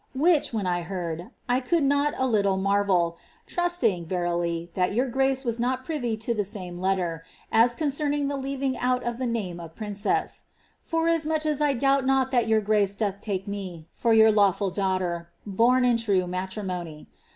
Which, when I heard, I could not a little marvel, trusting, verily, tliat your grace was not privy to the same letter, as concerning the leaving out of the name of princess — forasmuch as I doubt not that your grace doth take me, for your law ful dnughter, born in true matrimony.